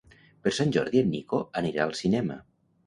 Per Sant Jordi en Nico anirà al cinema.